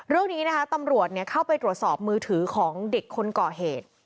เรื่องนี้นะคะตำรวจเข้าไปตรวจสอบมือถือของเด็กคนก่อเหตุ